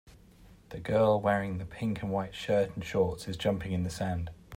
The girl wearing the pink and white shirt and shorts is jumping in the sand.